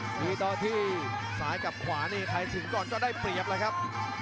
มีตอนที่ซ้ายกับขวานี่ใครถึงก่อนก็ได้เปรียบแล้วครับ